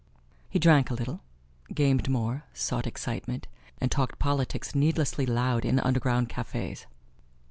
He drank a little, gamed more, sought excitement, and talked politics needlessly loud in underground cafes.